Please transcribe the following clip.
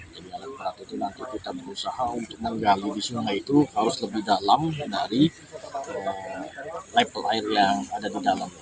jadi alat berat itu nanti kita berusaha untuk menggali di sungai itu harus lebih dalam dari level air yang ada di dalam